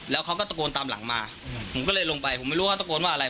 แล้วเขาก็ตะโกนตามหลังมาผมก็เลยลงไปผมไม่รู้ว่าเขาตะโกนว่าอะไร